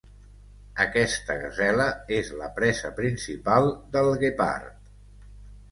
Aquesta gasela és la presa principal del guepard.